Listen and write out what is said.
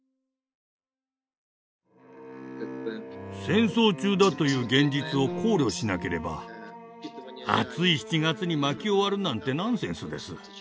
戦争中だという現実を考慮しなければ暑い７月に薪を割るなんてナンセンスです。